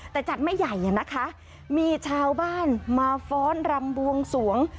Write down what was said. แต่จัดไม่ใหญ่อะนะคะมีชาวบ้านมาฟ้อนรำบวงสวง